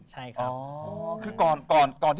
หลายพันบาท